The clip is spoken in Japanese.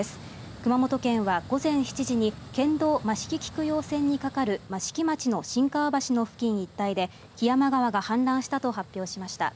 熊本県は午前７時に県道益城菊陽線に架かる益城町の新川市の付近に一帯で木山川が氾濫したと発表しました。